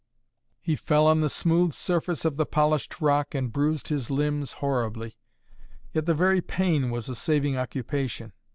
He fell on the smooth surface of the polished rock and bruised his limbs horribly. Yet the very pain was a saving occupation.